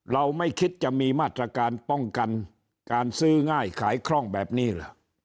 เราไม่คิดจะมีมาตรการป้องกันการซื้อง่ายขายคล่องแบบนี้เหรอ